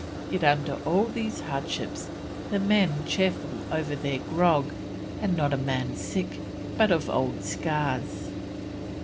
yet, under all these hardships, the men cheerful over their grog, and not a man sick, but of old scars."